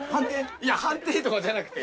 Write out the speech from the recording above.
いや判定とかじゃなくて。